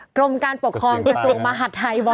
กรมการปกครองกระทรวงมหาดไทย